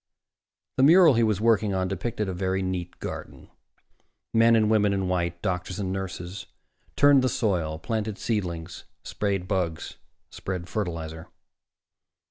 The mural he was working on depicted a very neat garden. Men and women in white, doctors and nurses, turned the soil, planted seedlings, sprayed bugs, spread fertilizer.